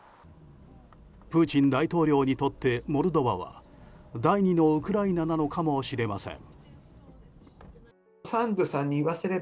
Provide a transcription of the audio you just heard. プーチン大統領にとってモルドバは第二のウクライナなのかもしれません。